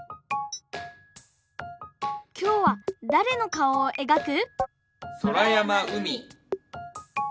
きょうはだれのかおをえがく？